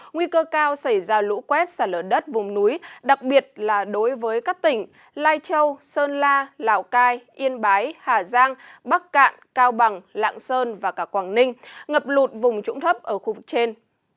nguy cơ cao xảy ra lũ quét xả lở đất vùng núi đặc biệt là đối với các tỉnh lai châu sơn la lào cai yên bái hà giang bắc cạn cao bằng lạng sơn và cả quảng ninh ngập lụt vùng trũng thấp ở khu vực trên